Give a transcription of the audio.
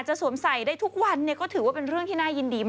จะสวมใส่ได้ทุกวันเนี่ยก็ถือว่าเป็นเรื่องที่นายยินดี